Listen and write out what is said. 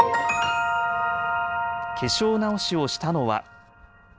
化粧直しをしたのは。